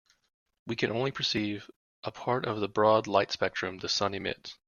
We can only perceive a part of the broad light spectrum the sun emits.